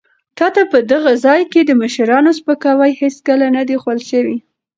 تا ته په دغه ځای کې د مشرانو سپکاوی هېڅکله نه دی ښوول شوی.